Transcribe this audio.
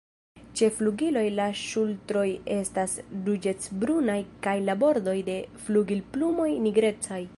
Ĉe flugiloj la ŝultroj estas ruĝecbrunaj kaj la bordoj de flugilplumoj nigrecaj.